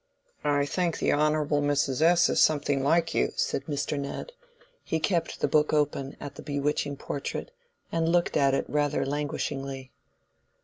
"I think the Honorable Mrs. S. is something like you," said Mr. Ned. He kept the book open at the bewitching portrait, and looked at it rather languishingly.